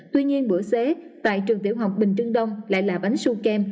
tuy nhiên bữa xế tại trường tiểu học bình trưng đông lại là bánh su chem